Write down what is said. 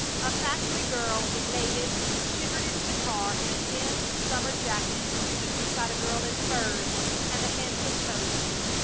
A factory girl, belated, shivered into the car in a thin summer jacket and stood beside a girl in furs and a handsome coat.